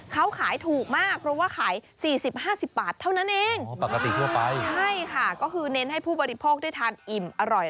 เขาขายถูกมากเพราะว่าขาย๔๐๕๐บาทเท่านั้นเองปกติทั่วไปใช่ค่ะก็คือเน้นให้ผู้บริโภคได้ทานอิ่มอร่อย